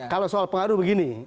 kalau soal pengaruh begini